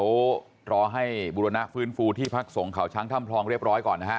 รวมนักฟื้นฟูที่พักส่งข่าวช้างถ้ำพรองเรียบร้อยก่อนนะฮะ